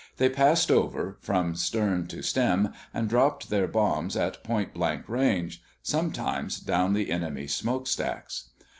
They passed over, from stern to stem, and dropped their bombs at point blank range—sometimes down the enemy's smokestacks.